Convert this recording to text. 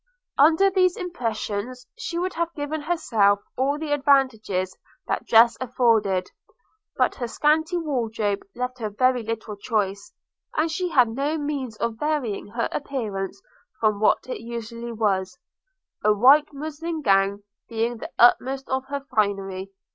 Under these impressions, she would have given herself all the advantages that dress afforded; but her scanty wardrobe left her very little choice, and she had no means of varying her appearance from what it usually was – a white muslin gown being the utmost of her finery.